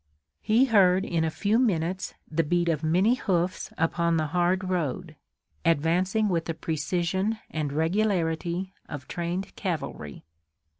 He heard in a few minutes the beat of many hoofs upon the hard road, advancing with the precision and regularity of trained cavalry.